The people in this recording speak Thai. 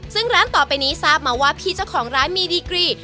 ซึ่งร้านต่อไปนี้ทราบมาว่าพี่เจ้าของร้านมีดีกรี